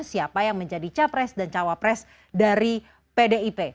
siapa yang menjadi capres dan cawapres dari pdip